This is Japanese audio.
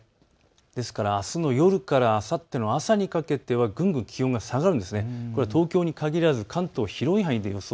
ですから、あすの夜からあさっての朝にかけてはぐんぐん気温が下がるんです。